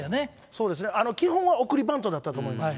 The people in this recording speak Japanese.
そうですね、基本は送りバントだったと思います。